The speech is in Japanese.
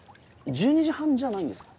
１２時半じゃないんですか？